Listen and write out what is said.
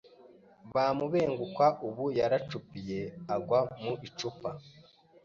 Bamubenguka Ubu yaracupiye agwa mu icupa